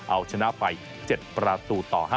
เอาชนะไป๗ประตูต่อ๕